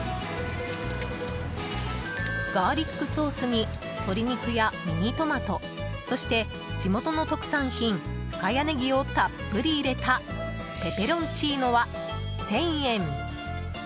ガーリックソースに鶏肉やミニトマトそして、地元の特産品深谷ネギをたっぷり入れたペペロンチーノは、１０００円。